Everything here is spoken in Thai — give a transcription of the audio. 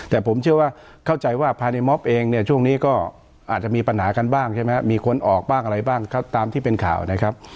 แต่ผมเชื่อว่าเข้าใจว่าภายในมอบเองเนี่ยช่วงนี้ก็อาจจะมีปัญหากันบ้างใช่ไหมมีคนออกบ้างอะไรบ้างตามที่เป็นข่าวนะครับ